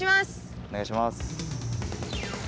おねがいします。